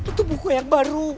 itu buku yang baru